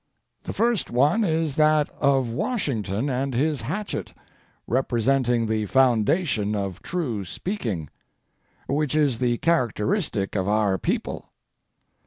The first one is that of Washington and his hatchet, representing the foundation of true speaking, which is the characteristic of our people.